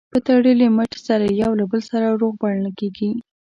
په تړلي مټ سره یو له بل سره روغبړ نه کېږي.